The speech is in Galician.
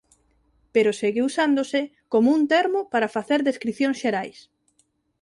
Pero segue usándose como un termo para facer descricións xerais.